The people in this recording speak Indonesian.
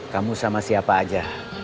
kamu sama siapa aja